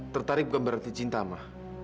tertarik bukan berarti cinta mah